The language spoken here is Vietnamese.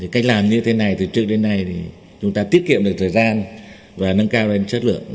cách làm như thế này từ trước đến nay thì chúng ta tiết kiệm được thời gian và nâng cao lên chất lượng